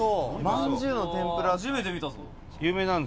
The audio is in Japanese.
まんじゅう天ぷら。